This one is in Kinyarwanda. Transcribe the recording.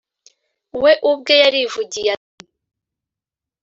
we ubwe yarivugiye ati